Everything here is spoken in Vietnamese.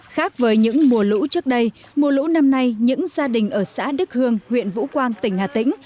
khác với những mùa lũ trước đây mùa lũ năm nay những gia đình ở xã đức hương huyện vũ quang tỉnh hà tĩnh